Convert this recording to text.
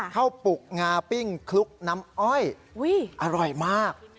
ปลูกงาปิ้งคลุกน้ำอ้อยอร่อยมาก